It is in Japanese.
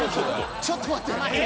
ちょっと待って。